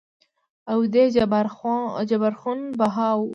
او دې جبار خون بها ورکړه.